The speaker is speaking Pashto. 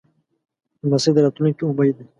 لمسی د راتلونکي امید دی.